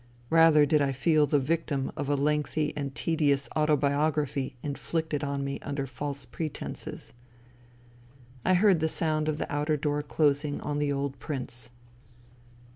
Rather did I feel the victim of a lengthy and tedious autobiography inflicted on me under false pretences. THE THREE SISTERS 41 I heard the sound of the outer door closing on the old Prince.